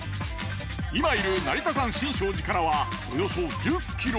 今いる成田山新勝寺からはおよそ１０ｋｍ。